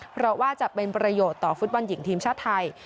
เพราะว่าจะเป็นประโยชน์ต่อฟุตบอลหญิงทีมชาติไทย